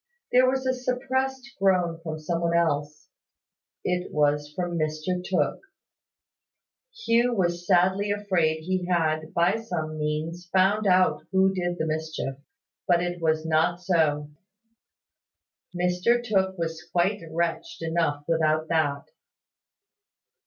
There was a suppressed groan from some one else. It was from Mr Tooke. Hugh was sadly afraid he had, by some means, found out who did the mischief. But it was not so. Mr Tooke was quite wretched enough without that.